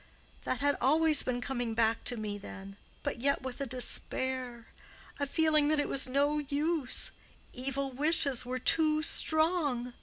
That had always been coming back to me then—but yet with a despair—a feeling that it was no use—evil wishes were too strong.